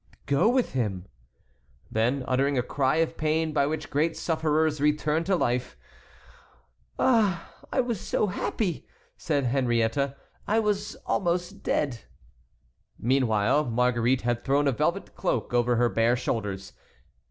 "Go with him." Then uttering a cry of pain by which great sufferers return to life: "Ah! I was so happy," said Henriette; "I was almost dead." Meanwhile Marguerite had thrown a velvet cloak over her bare shoulders.